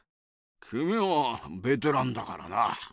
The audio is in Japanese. きみはベテランだからな。